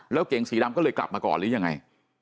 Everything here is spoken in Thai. แล้วเก๋งสีดำก็เลยกลับมาก่อนหรือยังไง